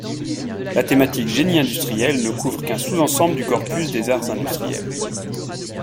La thématique Génie industriel ne couvre qu'un sous-ensemble du corpus des arts industriels.